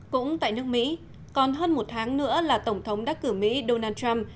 cũng tại nước mỹ còn hơn một tháng nữa là tổng thống đắc cử mỹ donald trump